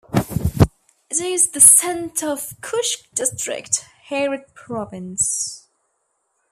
It is the center of Kushk District, Herat Province.